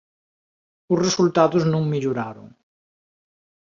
Os resultados non melloraron.